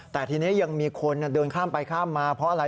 แต่ทีนี้ยังมีคนเดินข้ามไปข้ามมาเพราะอะไร